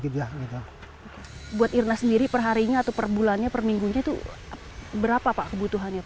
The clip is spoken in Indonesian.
buat irnah sendiri perharinya atau perbulannya perminggunya itu berapa pak kebutuhannya